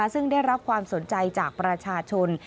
ซึ่งได้รับความสนใจจากประชาชน